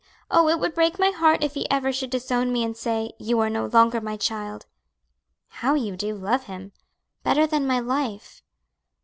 Oh, it would break my heart if ever he should disown me and say, 'You are no longer my child!'" "How you do love him!" "Better than my life!"